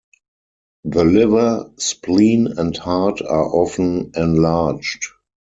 The liver, spleen and heart are often enlarged.